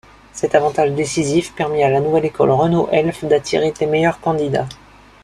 Cet avantage décisif permit à la nouvelle école Renault Elf d'attirer les meilleurs candidats.